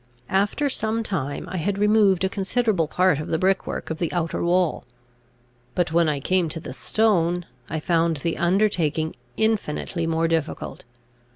After some time, I had removed a considerable part of the brick work of the outer wall; but, when I came to the stone, I found the undertaking infinitely more difficult.